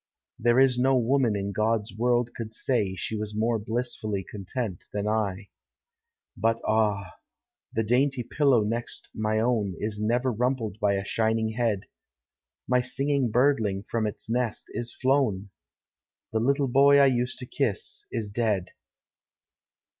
There is no woman in (iod's world could say She was more blissfully content than I. JUit ah! the dainty pillow next my own Is never rumpled by a shining head; My singing birdling from its nest is Mown, — The little boy 1 used to kiss is dead